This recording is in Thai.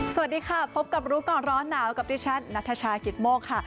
สวัสดีค่ะพบกับรู้ก่อนร้อนหนาวกับดิฉันนัทชายกิตโมกค่ะ